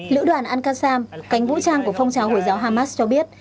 lữ đoàn al qassam cánh vũ trang của phong trào hồi giáo hamas cho biết